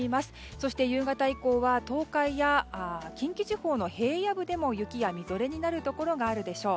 そして夕方以降は東海や近畿地方の平野部でも雪やみぞれになるところがあるでしょう。